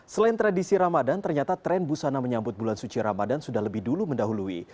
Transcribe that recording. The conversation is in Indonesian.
selain tradisi ramadan ternyata tren busana menyambut bulan suci ramadan sudah lebih dulu mendahului